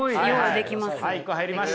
はい１個入りました。